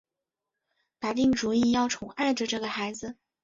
打定主意要宠爱着这个孩子